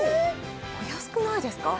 お安くないですか？